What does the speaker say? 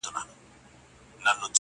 راډیو د معلوماتو پخوانۍ وسیله ده